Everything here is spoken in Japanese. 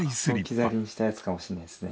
置き去りにしたやつかもしれないですね。